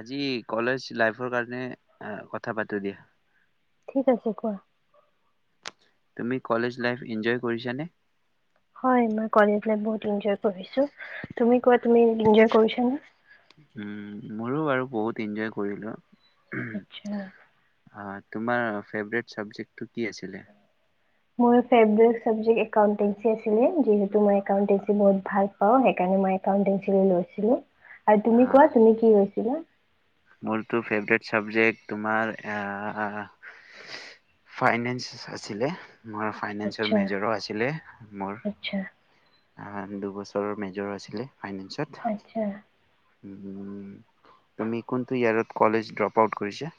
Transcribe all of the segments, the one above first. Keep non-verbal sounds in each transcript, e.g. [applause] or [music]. আজি কলেজ লাইফৰ কাৰণে কথা পাতো দিয়া ঠিক আছে কোৱা তুমি কলেজ লাইফ ইনজয় কৰিছা নে? হয় মই কলেজ লাইফ বহুত ইনজয় কৰিছো। তুমি কোৱা তুমি ইনজয় কৰিছা নে? উম মোৰো বাৰু বহুত এনজয় কৰিলো আচ্ছা তোমাৰ ফেভৰেট চাবজেক্ট টো কি আছিলে? মোৰ ফেভেৰেট চাবজেক্ট একাউণ্টেঞ্চি আছিলে। যিহেতু মই একাউণ্টেঞ্চি বহুত ভাল পাওঁ। সেইকাৰণে মই একাউণ্টেঞ্চি লৈছিলো। আৰু তুমি কোৱা আহ, তুমি কি লৈছিলা? মোৰতো ফেভৰেট চাবজেক্ট তোমাৰ ফাইনেন্স আছিলে মোৰ ফাইনেন্সৰ আচ্ছা মেজৰো আছিলে মোৰ। আচ্ছা দুবছৰৰ মেজৰ আছিলে। ফাইনেঞ্চত আচ্ছা তুমি কোনটো ইয়েৰত কলেজ দ্ৰপ আউট কৰিছা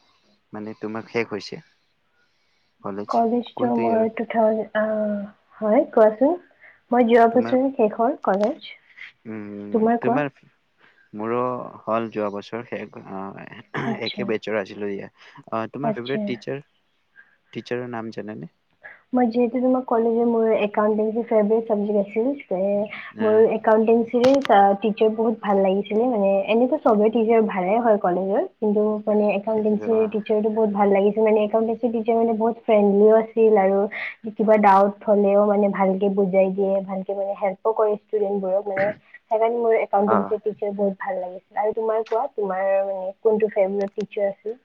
মানে তুমাৰ শেষ হৈছে? কলেজ যাও কোনটো মই ইয়াৰত? টু থাউজে আ হয় কোৱাচোন মই যোৱা তোমাৰ বছৰ শেষৰ হ'ল কলেজ তোমাৰ কোৱা মোৰো হ'ল যোৱা বছৰ শেষ অ আচ্ছা একে বেচৰ আছিলো দিয়া অ তোমাৰ ফেভৰেট আচ্ছা টিচাৰ টিচাৰৰ নাম জানে নে মই যিতিয়া ম কলেজে মোৰ একাউণ্টিং চ ফেভৰেট চাবজেক্ট আছিলে ছে মোৰ একাউণ্টিং [unintelligible] বহুত ভাল লাগিছিলে মানে এনেতো চবে টিচাৰ ভালে হয় কলেজৰ কিন্তু মান সেইটো একাউণ্টেঞ্চি টিচাৰটো বহুত ভাল লাগিছে মানে একাউণ্টেঞ্চি টিচাৰ মানে বহুত ফ্ৰেনলি আছে ছিল আৰু কিবা ডাউট হলেও মানে ভালকে বুজাই দিয়ে ভালকে মানে হেল্পো কৰিছিল ষ্টুডেণ্ট বোৰ বোৰ সেইকাৰণে মোৰ অ' একাউণ্টেঞ্চি টিচাৰ বহুত ভাল লাগে আৰু তোমাৰ কোৱা তোমাৰ কোনটো ফেভেৰেট টিচাৰ আছিল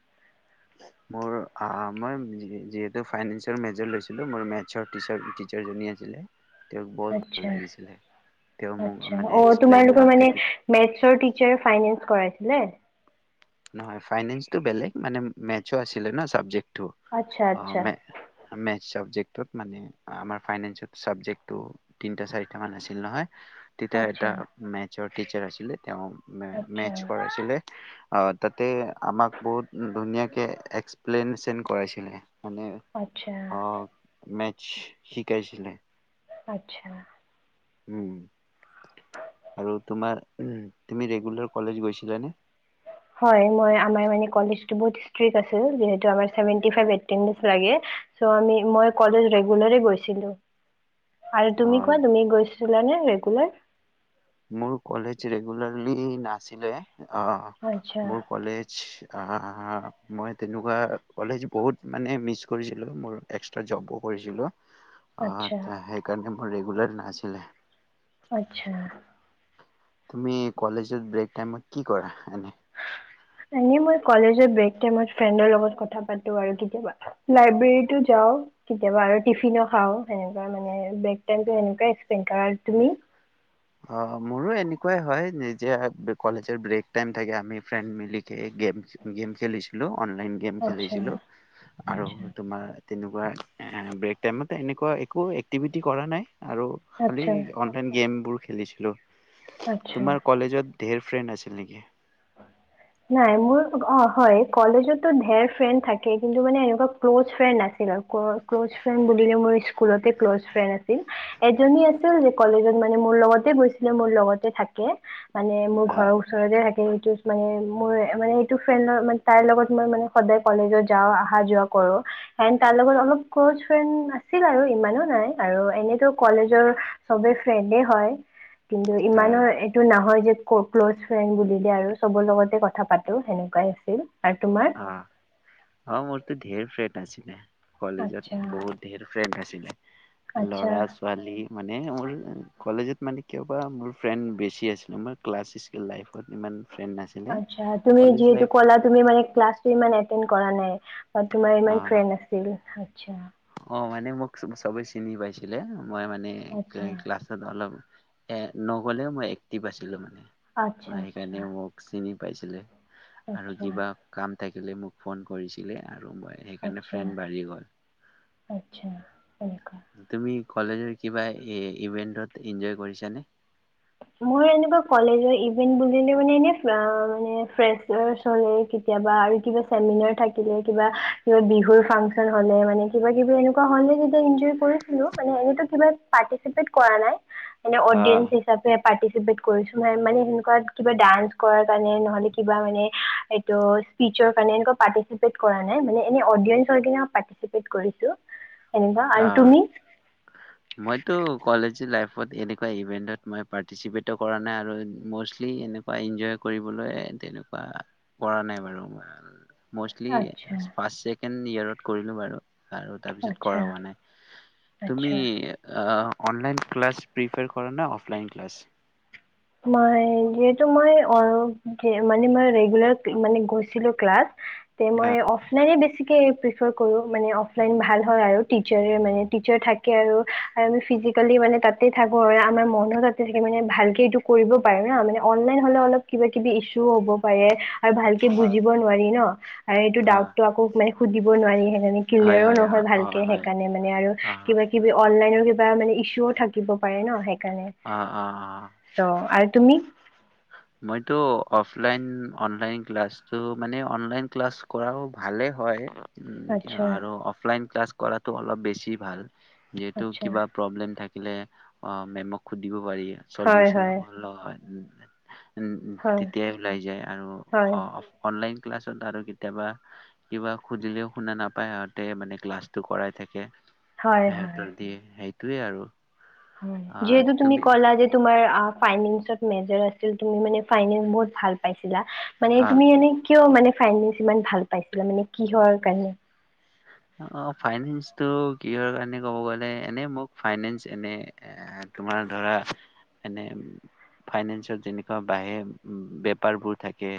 মোৰ আ মই যি যিহেতু ফাইনেঞ্চৰ মেজৰ লৈছিলো মোৰ মেটছৰ টিচাৰ টিচাৰ জনী আছিলে তেওঁক বহুত আা ভাল লাগিছিলে। তেওঁ মোক মানে অ এক্সপ্লেইন তোমালোকৰ আৰু মান এক- মিনে কৰা নে? নয় ফাইনেন্সটো বেলেগ মানে মেছ আছিলে ন চাবজেক্ট। আচ্ছা অ আচ্ছা মে চাবজেক্ট। মানে আমাৰ ফনেক্টো তিন চাৰি মান আছিল নহয়। তেতিয়া আচ্ছা এটা মেৰ টচাৰ আছিলে তেওঁ মে আচ্ছা কৰাছিলো। অ তাতে আমাক বহুত ধুনীয়াকে এক্সপ্লেইনেশচন কৰাইছিলে। মানে আচ্ছা অহ মে শিকাইছিলে। আচ্ছা। উ আৰু তোমাৰ তুমি ৰেগুলাৰ কলেজ গৈছিলানে? হয় মই আমাৰ মানে কলেজবোৰ বহুত ষ্ট্ৰিক আছে। যিহেতু চেভেন্তি ফাইব লাগে চৌ আমি মই কলেজ ৰেগুবালি গৈছিলো। আৰু অ তুমি কোৱা তুমি গৈছিলানে? এই একলে। মোৰ কলেজ ৰেগুলাৰলি নাছিলে। অ আচ্ছা মোৰ কলেজ। হা হা মই তেনেকুৱা কলেজ বহুত মানে মিছ কৰিছিলোঁ মোৰ এক্সট্ৰা জবো কৰিছিলোঁ। অ আচ্ছা আছা সেইকাৰণে মোৰ ৰেগুলাৰ নাছিলে। আচ্ছা। তুমি কলেজৰ ব্ৰেক টাইমত কি কৰা এনে নাহি মই কলেজত ব্ৰেক টাইমৰ লগত কথা পাতো লাইব্ৰেৰী যাউ কেতিয়াবা টিফিংও খাউ মানে ব্ৰেক টাইম টো অনেকে পাৰ হয়। অ মোৰো এনেকুৱাই হয় কলেজৰ ব্ৰে টাই থে আমি ফ্ৰেড মিলি গম খেলিছিলো। অনলাইন গেম আচ্ছা খেলিছিলো আৰু আচ্ছা তোমাৰ তেনেকুৱা ব্ৰেক টাইমতে এনেকুৱা একো এক্টিভিটি কৰা নাই আৰু খালী আচ্ছা অনলাইন গেমবোৰ খেলিছিলোঁ। আচ্ছা তোমাৰ কলেজত। ঢেৰ ফ্ৰেণ্ড আছিল নেকি? নাই মোৰ অ হয় কলেজতো ধেৰ ফ্ৰেণ্ড থাকে কিন্তু মানে এনেকুৱা ক্ল'জ ফ্ৰেণ্ড আছিল আৰু ক্ল'জ ফ্ৰেড বুলিলে মোৰ স্কুলতে ক্ল'জ ফ্ৰেণ্ড আছিল। এজনী আছিল যে কলেজত মানে মোৰ লগতে গৈছিলে মোৰ লগতে থাকে। মানে মোৰ হা ঘৰৰ ওচৰতে থাকে। হয় মানে মোৰ মানে এইটো ফ্ৰেড তাৰ লগত মই ম সদায় কলেজত যাওঁ অহা যোৱা কৰো এ তাৰ লগত অলপ ক্ল ফ আছিল আৰু ইমানো নাই আৰু এনেতো কলেজৰবে ফ্ৰেণ্ড হয়। কিন্তু হা ইমানৰ এইটো নহয় যে ক ক্ল'জ ফ্ৰেণ্ড বুলিলে দে আৰু চবৰ লগতে কথা পাতো সেনেকুৱাই আছিল। আৰু তোমাৰ আহ অ মোৰটোো ধেৰ ফ্ৰে ছিলিলে কলেজত আচ্ছা বহুত ধঢেৰ ফ্ৰেণ্ড ছিলে আচ্ছা লৰা ছোৱালী মানে মোৰ কলেজত মানে কেতিয়াবা মোৰ ফ্ৰেণ্ড বেছি আছিলে মোৰ ক্লাছ স্ক লাইফত ইমান ফ্ৰেণ্ড নাছিলে আচ্ছা তুমি কলেজ যিহেতু লাইফত কলা তুমি মানে ক্লা কৰা নাই তোমাৰ অ ইমান ফ্ৰেণ্ড আছিল আ্া অ মানে মোক চবে চিনি পাইছিলে মই মানে আচ্ছা ক্লাছত অলপ এ নগলেও মই এক্টিভ আছিলো মানে ম আচ্ছা সেইকাৰণে মোক চিনি পাইছিলে আচ্ছা আৰু আচ্ছা কিবা কাম থাকিলে মোক ফোন কৰিছিলে আৰু মই সেইকাৰণে ফ্ৰেড বাঢ়ি গ'ল আচছা এনেকা তুমি কলেজৰ কিবা এ ইভেন্টত এনজয় কৰিছ নে [inaudible] মানে অ অডিয়েন্স [inaudible] আৰু অ তুমি মইতো কলেজ লাইফ লত এনেকুৱা ইভেণ্টত মই পাৰ্টিচিপেটোো কৰা নাই আৰু ম'ষ্টলি এনেকুৱা এনজয় কৰিবলৈ তেনেকুৱা কৰা নাই বাৰু মষ্টলি আচ্ছা ফাৰ্ষ চছেকেণ্ড ইয়ৰত কৰিলো আৰু আৰু তাৰপিছত আচ্ছা তুি আচ্ছা অনলাইন ক্ল প্ৰিফাৰ কৰে ন অফলাইন ক্ল অ', ৰে্া কৰিব পাৰি না মানে অনলাইন হলে অলপ কিবা কিবি ইছ্যুও হ'ব আৰু ভালকে বুজ নোৱাৰি ন সটো অ, ডাউটো আকৌে সুধিব নোৱাৰিহে হয় ক্লিয়াৰো হয় নহয় অ', অ, ভালকে হয়। সেইকাৰণে মানে আৰু অ', কিবা কিবি অনলাইনৰ কিব বা মানে ইছ্যুও থাকিব পাৰে ন সে অঁ অঁ অঁ ত আৰু তুমি মইতো অফলাইন, অনলাইন ক্লাছটো মানে অনলাইন ক্লাছ কৰাও ভালে হয় উম কি আচ্ছা আৰু অফলাইন ক্লাছ কৰাটো অলপ বেছি ভাল যিহেতু আচ্ছা কিবা প্ৰব্লেম থাকে থাকিলে অঁ মেমক সুদিবও কৰি হয় চলউচন হয় অল [unintelligible] উম উম হয় তেতিয়াই ওলাই যায় আৰু হয় অ অনলাইন ক্লাছত আৰু কেতিয়াবা, কিবা সুধিলেও শুনা নাপায় সিহঁতে মানে ক্লাছটো কৰাই থাকে হয় হয় হেহঁতৰ দিয়ে সেই সেইটোৱে আৰু হয়, যিহেতু তুমি কলা যে তোমাৰ আপ ফাইনিংচত মেজৰ আছিল তুমি মানে ফাইনিংচ বহুত ভাল পাইছ [unintelligible] মানে আহ তুমি এনে কিয় মানে ফাইনেন্স ইমান ভাল পাইছিলা মানে কিহৰ কাৰণে অ অ ফাইনেন্সটো কিহৰ কাৰণে ক'ব গ'লে এনে মোক ফাইনেন্স এনে এ এ তোমাৰ ধৰা, এনে ফাইনেন্সত যেনেকুৱা বাহে, বেপাৰবোৰ থাকে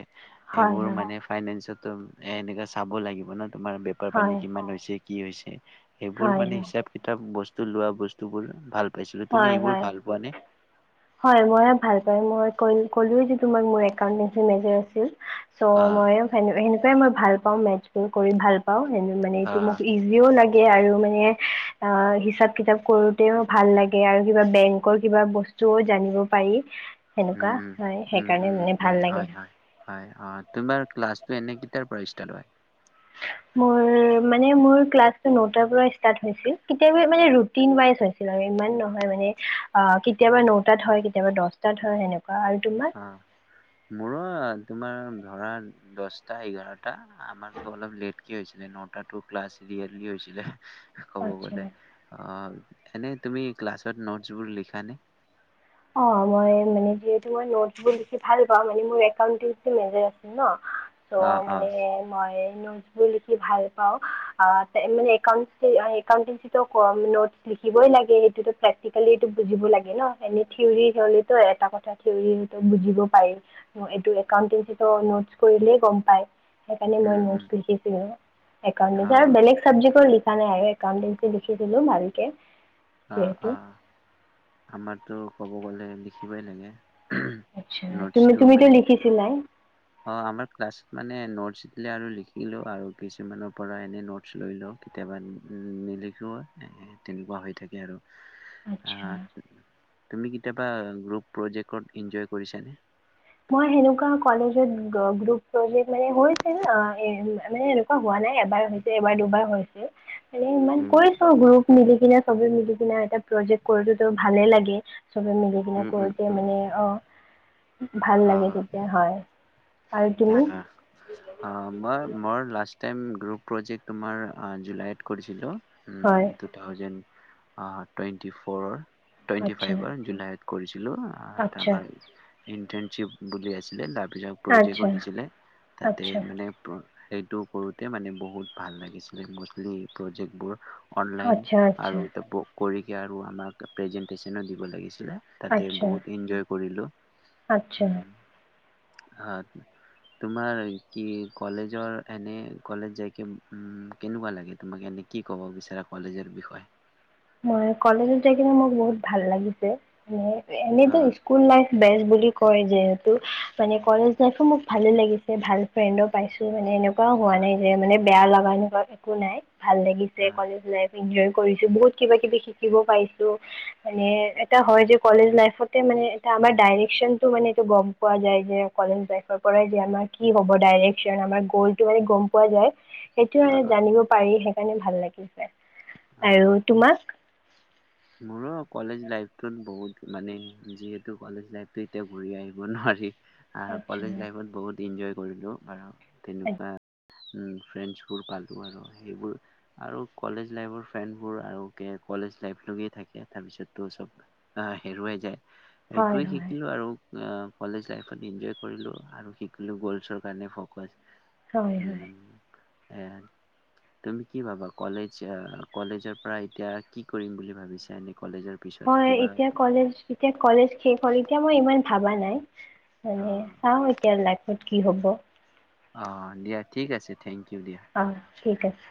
হয় এইবোৰ হয় মানে ফাইনেন্সত তোম এ এনেককা চাব লাগিব ন? তোমাৰ বেপাৰ হয় পানী হৈছে কি হৈছে সেইবোৰ হয় মানে হয় হিচাপ কিতাপ বস্তু লোৱা বস্তুবোৰ ভাল পাইছিলোঁ তুমি হয় এইবোৰ হয় ভাল পোৱা নে? হয় মই ভাল পাই, মই কল কলোৱয়ে যে তোমাক মই [unintelligible] মেজৰ আছিল' চ' অ', ময়ো [unintelligible] তে মই ভাল পাওঁ মেটছবোৰ কৰি ভাল পাওঁ [unintelligible] মানে এইটো অ', মোক ইজিও লাগে সেয়ে আৰু মানে, অ হিচাপ-কিতাপ কৰোতেও ভাল লাগে আৰু কিবা বেংকৰ কিবা বস্তু জ' জানিব পাৰি সেনেকুৱা উম, হয় সেইকাৰণে মানে ভাল লাগে অঁ তোমাৰ ক্লাছটো এনে কেতিয়াৰ পৰা ষ্টাৰ্ট হয় মোৰ মানে, মোৰ ক্লাছটো নটাৰ পৰা ষ্টাৰ্ট হৈছিল, কেতিয়াবা মানে ৰুটিন ৱাইচ হৈছিল আৰু ইমান নহয় মানে, অঁ কেতিয়াবা নটাত হয় কেতিয়াবা দশটাত হয় সেনেকুৱা। আৰু তোমাৰ অ মোৰ তোমাৰ ধৰা দহটা এঘাৰ আমাৰতো অলপ লেট কি হৈছিলে নটা টু ক্লাছ ৰিয়োৰলি হৈছিলে ক'ব আচ্ছা গ'লে অ এনে তুমি ক্লাছত নোটছ বোৰ লিখ নে অ মই মানে যিতো মই নিটবোৰ লিখি ভাল অ মানে মোৰ একাউণ্ট মেজাৰ আছিল ন ত' অ অ মানে মই নোটছ বোৰ লিখি ভাল পাও মানে এ এউট নোটছ লিখিবই লাগে সেইটোো প্ৰেক্টিকেলিটো বুজ লাগে ন এ থৰ হলেতো এটা কথা থৰ বুজিব পাৰি এইটো একাউটে নোট কৰিলে গম প সেইকাৰণে উম মই উম নখিছিলো হে কাৰনে অ বেলেগ চব্জি কৰিি নাই আৰু এউটেঞ্চি লিখি দিলো ভালকে অ অ আমাৰটো ক'ব গ'লে লিখিবই লাগে আচচ্ছা তুমি নোটছটো তুমিতো মানে লিখিছিলাই অ আমাৰ ক্লাছত মানে নটছ দিলে আৰু লিখিলো আৰু কিছুমানৰ পৰা এনে নটছ লৈ লও কেতিয়াবা নিলিখো এ তেনেকুৱা হৈ থাকে এ আৰু আ আচ্ছা, কেতিয়াবা গোপ প্ৰজেক্টক ইনজয় কৰিছানে মই হেনেকুৱা কলেজত গ্ৰোপ প্ৰজেক্ট মানে হৈছে হোৱা নাই এবাৰ হৈছে এবাৰ দুবাৰ হৈছোন ইমান উম, কৈছো গ্ৰুপ মিলি সনা চবে মিলি কিনে এটা প্ৰজেক্ট কৰিলে ভালেই লাগে চবে মিলি কিনে উম, উম, কৰোঁতে উম, মানে আহ ভাল লাগে তেতিয়া হয় আৰু তুমি অ মই মই লাষ্ট টাইম গ্ৰুপ প্ৰজেক্ট তোমাৰ জুলাইত কৰিছিলো উম হয় টু থউজেণ্ অ টুৱেণ্টি ফ'ৰৰ টুৱেণ্টি আচ্ছা ফাইভ জুলাই কৰিছ যোৱা আচ্ছা আমাৰ ইণ্টাৰ্নশ্বিপ বুলি আছিলে, লাভ [inaudible] কৰি আচ্ছা দিছিলে, তাতে আচ্ছা মানে সেইটো কৰোতে মানে বহুত ভাল লাগিছিলে, ম'ষ্টলি প্ৰজেক্টবোৰৰ অনলাইন আচ্ছা আৰু আচ্ছা এটা বুক কৰি য়েই আৰু আমাক প্ৰেজেন্টেচনো দিব লাগিছ ছিলে, তাতে বহুত এনজয় কৰিলোঁ আতছা। হয়। তোমাৰ কি কলেজৰ এনে কলেজ যাইকে উম, কেনেকুৱা লাগে তোমাক এনে কি কব বিচাৰা কলেজৰ বিষয়ে? মই কলেজত যায় কিনে মোক বহুত ভাল লাগিছে। এনেত অ ইস্কুল লাইফ বেষ্ট বুলি কয় যিহেতু মানে কলেজ লাইফো মোক ভালে লাগিছে, ভাল ফ্ৰেণ্ডো পাইছো মানে এ হোৱা অ নাই যে, মানে বেয়া লাগ [unintelligible] একো নাই। ভাল লাগিছে কলেজ লাইফ। এনজয় কৰিছো বহুত কিবা কিবি শিকিব পাইছো মানে এটা হয়, যে, কলেজ লাইফতে মানে এ আমাৰ ডাইৰেকচনটো মানে এইটো গম পোৱা যায় যে, কলেজ লাইফৰ পৰাই যে, আমাৰ কি হ'ব ডাইৰেকচন আমাৰ গলটো মানে গম পোৱা যায়। সেইটোয়ে অ জানিব পাৰিহে। স কাৰণে ভাল লাগিছে। অ'। [unintelligible] মোৰো কলেজ লাইফটোত বহুত মানে যিহেতু কলেজ লাইফটো এতিয়া ঘূৰি আহিব নোৱাৰি। আৰু আচ্ছা কলেজ লাইফত বহুত ইনজয় কৰিলোঁ আৰু আ- তেনেকুৱা উম, ফ্ৰেণ্ডচ বোৰ পালো আৰু সেইবোৰ আৰু কলেজ লাইফৰ ফ্ৰেণ্ডবোৰ আৰু কে কলেজ লাইফ‌ [unintelligible] থাকে তাৰ পিছত তো চব আহ, হেৰুৱাই যায়। হয় সেইটোয়ে হয় শিকিলো আৰু। অ', কলেজ লাইফত ইনজয় কৰিলো আৰু শিকিলো গ'লছৰ কাৰণে ফকাচ হয় হয় উম। এ তুমি কি ভাবা কলেজ আহ, কলেজৰ পৰা এতিয়া কি কৰিম বুলি ভাবিছ [unintelligible] হয়, এতিয়া কলেজ এতিয়া কলেজ শেষ হ'ল এতিয়া মই ইমান ভাবা নাই অ মানে চা হয় কে লাগ ত কি হ'ব অ', দিয়া, ঠিক আছে। Thank you. দিয়া অ', ঠিক আছে।